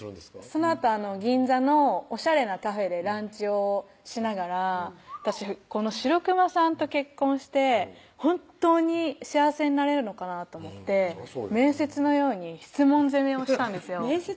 そのあと銀座のおしゃれなカフェでランチをしながら私このシロクマさんと結婚して本当に幸せになれるのかなと思って面接のように質問攻めをしたんですよ面接？